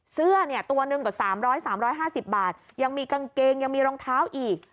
เสื้อเนี่ยตัวหนึ่งกว่า๓๐๐๓๕๐บาทยังมีกางเกงยังมีรองเท้าอีก